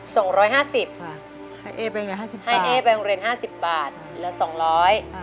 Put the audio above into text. ส่วน๒๕๐บาทครับให้เอ๊ไปโรงเรียน๕๐บาทแล้ว๒๐๐บาท